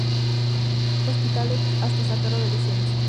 Hospitalet hasta sacarlo del descenso.